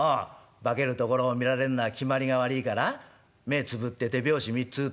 『化けるところを見られんのはきまりが悪いから目ぇつぶって手拍子３つ打て』？